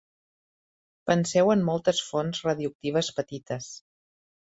Penseu en moltes fonts radioactives petites.